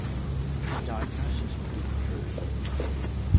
His diagnosis proved true.